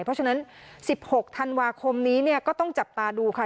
เพราะฉะนั้น๑๖ธันวาคมนี้เนี่ยก็ต้องจับตาดูค่ะ